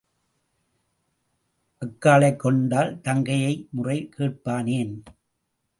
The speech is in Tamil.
அக்காளைக் கொண்டால் தங்கையை முறை கேட்பானேன்?